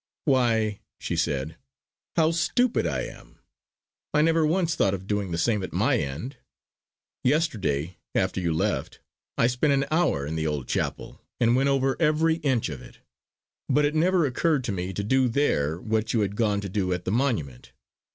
"Why," she said, "how stupid I am. I never once thought of doing the same at my end. Yesterday, after you left, I spent an hour in the old chapel and went over every inch of it; but it never occurred to me to do there what you had gone to do at the monument.